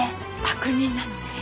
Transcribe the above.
悪人なのね。